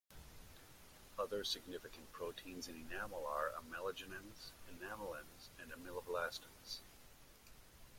Other significant proteins in enamel are amelogenins, enamelins, and ameloblastins.